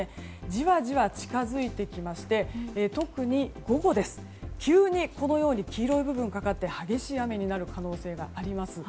じわじわ近づいてきまして特に午後急にこのように黄色い部分がかかって激しい雨になる可能性があります。